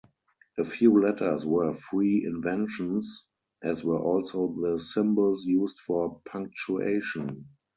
A few letters were free inventions, as were also the symbols used for punctuation.